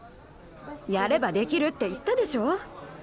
やればできるって言ったでしょ。